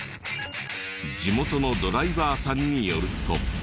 地元のドライバーさんによると。